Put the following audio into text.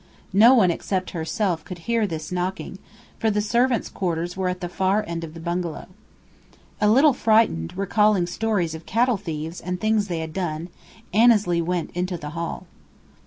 No one except herself could hear this knocking, for the servants' quarters were at the far end of the bungalow. A little frightened, recalling stories of cattle thieves and things they had done, Annesley went into the hall.